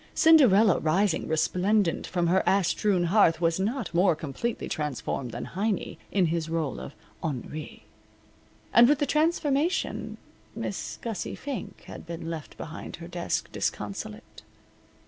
Cinderella rising resplendent from her ash strewn hearth was not more completely transformed than Heiny in his role of Henri. And with the transformation Miss Gussie Fink had been left behind her desk disconsolate.